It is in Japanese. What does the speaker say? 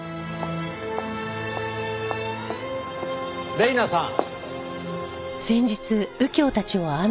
レイナさん。